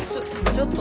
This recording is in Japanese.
ちょっと。